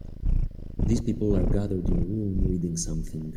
These people are gathered in a room reading something.